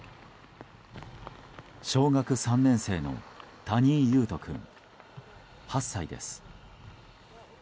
小学３年生の谷井勇斗君、８歳です。